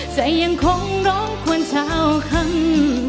ใจยังคงร้องควรเช้าคำ